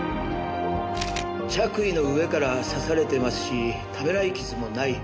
着衣の上から刺されてますしためらい傷もない。